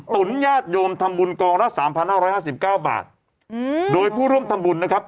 ตุ๋นญาติโยมทำบุญกองละ๓๕๕๙บาทโดยผู้ร่วมทำบุญนะครับ